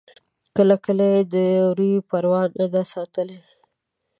کله کله یې د روي پروا نه ده ساتلې.